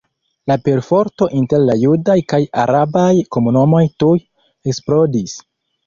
La perforto inter la judaj kaj arabaj komunumoj tuj eksplodis.